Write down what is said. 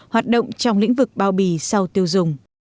hoạt động trong lĩnh vực bao bì sau tiêu dùng